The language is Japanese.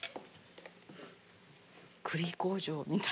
栗工場みたい。